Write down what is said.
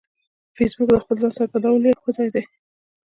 فېسبوک د خپل ځان څرګندولو یو ښه ځای دی